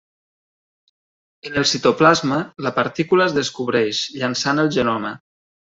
En el citoplasma, la partícula es descobreix, llançant el genoma.